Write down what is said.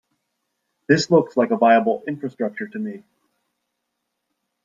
This looks like a viable infrastructure to me.